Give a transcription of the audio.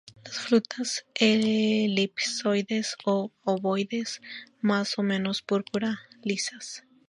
Las frutas elipsoides a ovoides, más o menos púrpura, lisas.